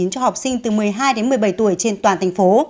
cho học sinh từ một mươi hai đến một mươi bảy tuổi trên toàn thành phố